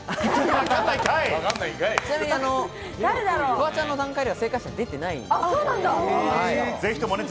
ちなみにフワちゃんの段階では正解者、出てないんですね。